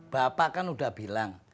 bapak kan udah bilang